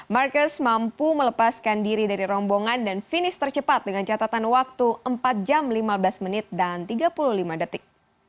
marquez mampu melepaskan diri dari rombongan dan finish tercepat dengan catatan waktu empat jam lima belas menit dan tiga puluh lima detik